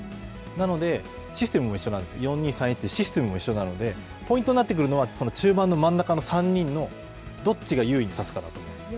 なので、システムも一緒なんです、４−２−３−１というシステムも一緒なので、ポイントになってくるのは、中盤の真ん中の３人のどっちが優位に立つかだと思います。